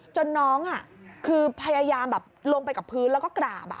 จนน้องคือพยายามแบบลงไปกับพื้นแล้วก็กราบ